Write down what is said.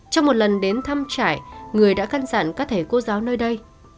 trong một lần đến thăm trại người đã căn dặn các thầy cô giáo nơi đây